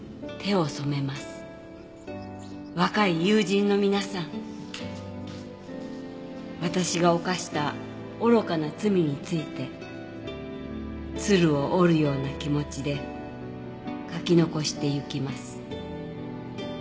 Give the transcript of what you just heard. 「若い友人の皆さん私が犯した愚かな罪について鶴を折るような気持ちで書き遺して行きます」